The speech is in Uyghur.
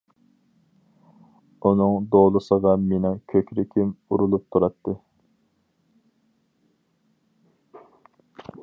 ئۇنىڭ دولىسىغا مېنىڭ كۆكرىكىم ئۇرۇلۇپ تۇراتتى.